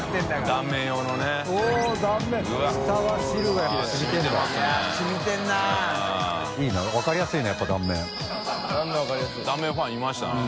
断面ファンいましたね。